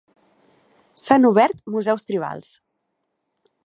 S'han obert museus tribals.